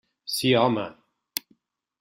Sí, home!